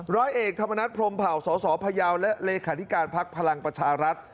ร้อยเอกธรรมนัสพรมเผ่าสศพระยาวและรคภพลังประชารัฐ